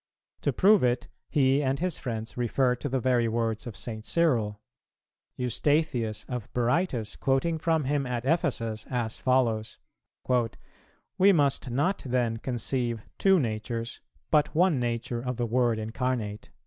To prove it, he and his friends refer to the very words of St. Cyril; Eustathius of Berytus quoting from him at Ephesus as follows: "We must not then conceive two natures, but one nature of the Word incarnate."